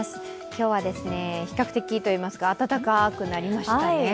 今日は比較的といいますか、暖かくなりましたね。